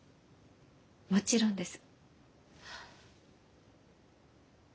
もちろんです。